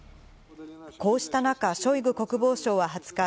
こうした中、ショイグ国防相は２０日、